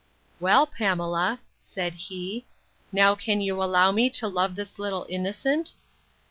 Well, Pamela, said he, now can you allow me to love this little innocent?